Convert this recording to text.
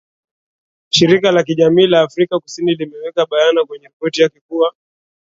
shirika la kijamii la afrika kusini limeweka bayana kwenye ripoti yake kuwa